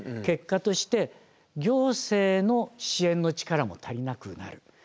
結果として行政の支援の力も足りなくなる。